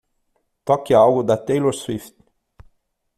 Toque algo da Taylor Swift.